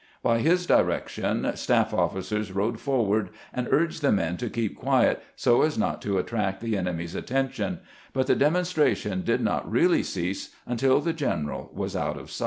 By his direction, staff officers rode forward and urged the men to keep quiet so as not to attract the enemy's attention ; but the demonstration did not really cease until the general was out of sight.